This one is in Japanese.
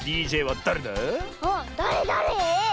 あっだれだれ？